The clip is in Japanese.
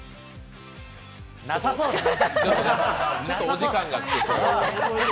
なさそうですね！